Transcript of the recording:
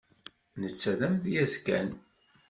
Netta d amedyaz kan.